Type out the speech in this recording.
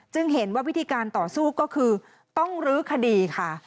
เห็นว่าวิธีการต่อสู้ก็คือต้องลื้อคดีค่ะ